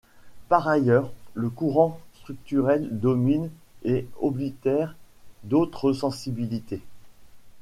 Par ailleurs, le courant structurel domine et oblitère d’autres sensibilités.